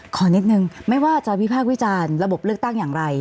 ขอนิดนึงไม่ว่าจะวิพากษ์วิจารณ์ระบบเลือกตั้งอย่างไร